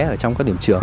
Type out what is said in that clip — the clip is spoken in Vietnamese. ở trong các điểm trường